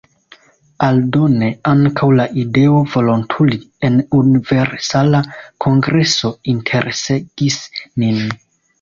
Aldone, ankaŭ la ideo volontuli en Universala Kongreso interesegis min.